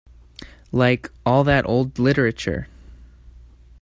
Like, all that old literature.